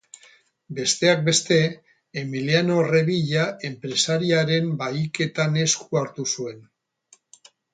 Besteak beste, Emiliano Revilla enpresariaren bahiketan esku hartu zuen.